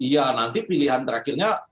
ya nanti pilihan terakhirnya